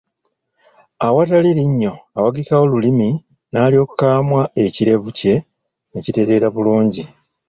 Awatali linnyo awagikawo lulimi nalyoka amwa ekirevu kye ne kitereera bulungi.